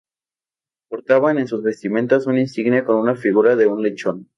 Portaban en sus vestimentas una insignia con la figura de un lechón.